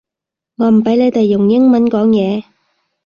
我唔畀你哋用英文講嘢